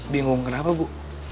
bingung kenapa bu